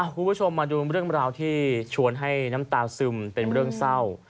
คุณผู้ชมมาดูเรื่องราวที่ชวนให้น้ำตาซึมเป็นเรื่องเศร้า